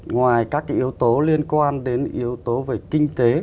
ngoài các yếu tố liên quan đến yếu tố về kinh tế